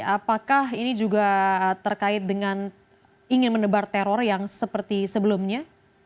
apakah ini juga terkait dengan ingin mendebar teror yang seperti sebelumnya